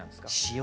塩！